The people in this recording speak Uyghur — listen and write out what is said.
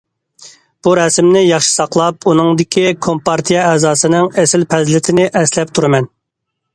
بۇ رەسىمنى ياخشى ساقلاپ، ئۇنىڭدىكى كومپارتىيە ئەزاسىنىڭ ئېسىل پەزىلىتىنى ئەسلەپ تۇرىمەن.